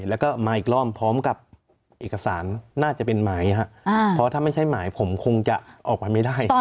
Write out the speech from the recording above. แล้วก็มาอีกรอบพร้อมกับเอกสารน่าจะเป็นหมายครับเพราะถ้าไม่ใช่หมายผมคงจะออกไปไม่ได้